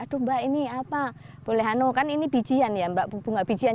aduh mbak ini apa boleh hano kan ini bijian ya mbak bunga bijian